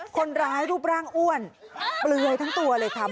คนร้ายรูปร่างอ้วนเปลือยทั้งตัวเลยค่ะ